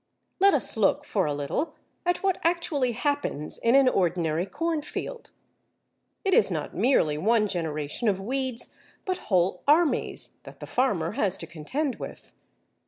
Let us look for a little at what actually happens in an ordinary cornfield. It is not merely one generation of weeds, but whole armies, that the farmer has to contend with.